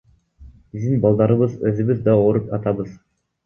Биздин балдарыбыз, өзүбүз да ооруп атабыз.